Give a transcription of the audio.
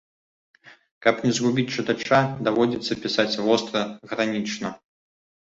Каб не згубіць чытача, даводзіцца пісаць востра, гранічна.